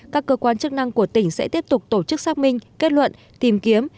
các cơ quan chức năng của tỉnh sẽ tiếp tục tổ chức xác minh kết luận tìm kiếm